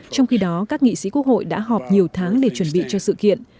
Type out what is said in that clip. trong khi đó các nghị sĩ quốc hội đã họp nhiều tháng để chuẩn bị cho sự kiện